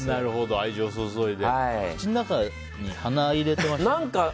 愛情を注いで口の中に鼻を入れてましたね。